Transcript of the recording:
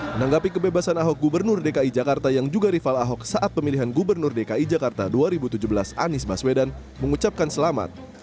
menanggapi kebebasan ahok gubernur dki jakarta yang juga rival ahok saat pemilihan gubernur dki jakarta dua ribu tujuh belas anies baswedan mengucapkan selamat